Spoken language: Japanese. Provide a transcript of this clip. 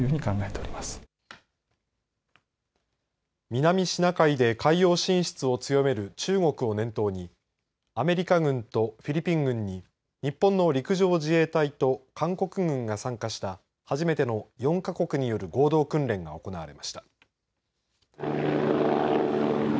南シナ海で海洋進出を強める中国を念頭にアメリカ軍とフィリピン軍に日本の陸上自衛隊と韓国軍が参加した初めての４か国による合同訓練が行われました。